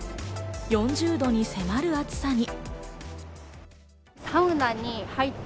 ４０度に迫る暑さに。